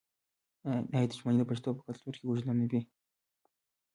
آیا دښمني د پښتنو په کلتور کې اوږده نه وي؟